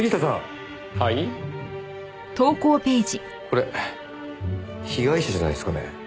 これ被害者じゃないですかね？